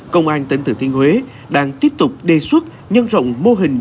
công an tỉnh thừa thiên huế đang tiếp tục đề xuất nhân rộng mô hình